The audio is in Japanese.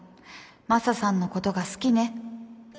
マサさんのことが好きね。